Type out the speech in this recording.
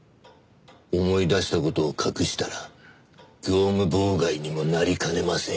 思い出した事を隠したら業務妨害にもなりかねませんよ。